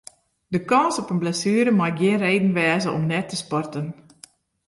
De kâns op in blessuere mei gjin reden wêze om net te sporten.